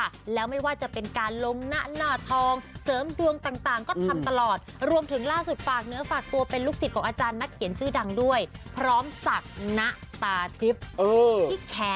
หน้าตาทิพย์ศักดิ์ที่แขนเสริมรวมความตาให้กับตัวเองด้วยนะคะ